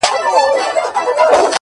زما د سترگو له جوړښته قدم اخله!!